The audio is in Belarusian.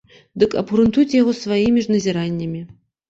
Дык абгрунтуйце яго сваімі ж назіраннямі.